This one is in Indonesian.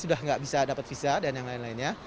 sudah nggak bisa dapat visa dan yang lain lainnya